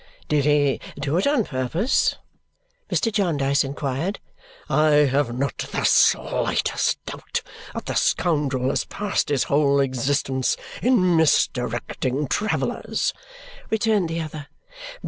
"Did he do it on purpose?" Mr. Jarndyce inquired. "I have not the slightest doubt that the scoundrel has passed his whole existence in misdirecting travellers!" returned the other.